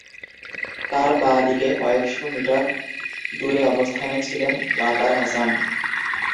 তার বাঁ দিকে কয়েক শ মিটার দূরে অবস্থানে ছিলেন ওয়াকার হাসান।